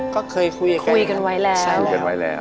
ก็เคยคุยกันคุยกันไว้แล้วใช่กันไว้แล้ว